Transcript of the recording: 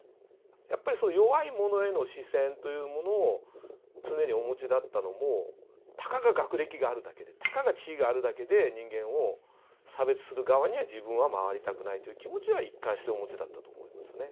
やっぱり弱い者への視線というものを常にお持ちだったのもたかが学歴があるだけでたかが地位があるだけで人間を差別する側には自分はまわりたくないという気持ちは一貫してお持ちだったと思いますね。